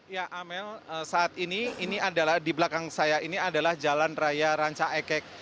ya amel saat ini di belakang saya ini adalah jalan raya rancayakek